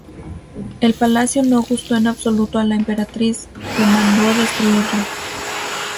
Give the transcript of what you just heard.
El palacio no gustó en absoluto a la emperatriz, que mandó destruirlo.